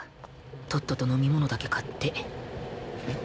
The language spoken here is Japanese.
とっとと飲み物だけ買ってん？